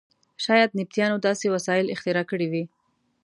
شاید نبطیانو داسې وسایل اختراع کړي وي.